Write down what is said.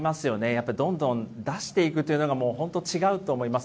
やっぱりどんどん出していくというのが、もう本当、違うと思います。